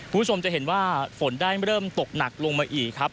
คือจะเห็นว่าเฝินได้ไม่เริ่มตกหนักลงมาอียัคครับ